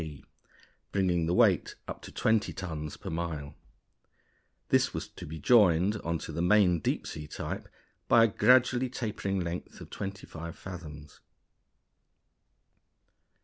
G., bringing the weight up to 20 tons per mile. This was to be joined on to the main deep sea type by a gradually tapering length of twenty five fathoms.